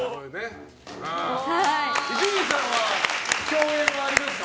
伊集院さんは共演はありますか？